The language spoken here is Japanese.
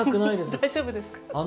大丈夫ですか？